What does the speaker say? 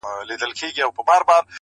o زه لرمه کاسې ډکي د همت او قناعته,